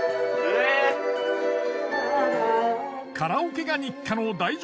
カラオケが日課のダイ女